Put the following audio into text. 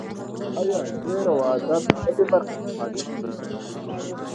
ایا شعر و ادب د بلې برخې مخالف دی.